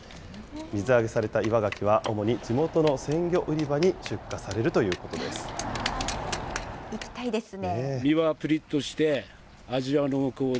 水揚げされた岩がきは主に地元の鮮魚売り場に出荷されるというこ行きたいですね。